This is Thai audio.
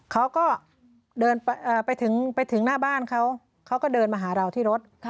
เขาก็เดินไปถึงหน้าบ้านเขาเขาก็เดินมาหาเราที่รถ